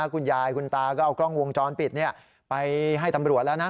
คุณยายคุณตาก็เอากล้องวงจรปิดไปให้ตำรวจแล้วนะ